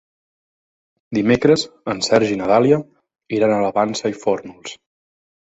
Dimecres en Sergi i na Dàlia iran a la Vansa i Fórnols.